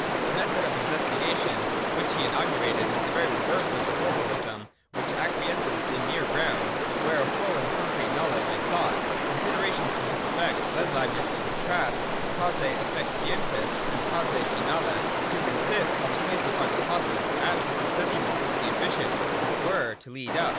The method of investigation which he inaugurated is the very reverse of a formalism Q 2 228 THE DOCTRINE OF ESSENCE. ["i which acquiesces in mere grounds, where a full and concrete knowledge is sought. Considerations to this efifect led Leib nitz to contrast causae efficienies and causae finales, and to insist on the place of final causes as the conception to which the efficient were to lead up.